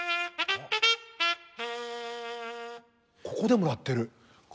ここでも鳴ってる。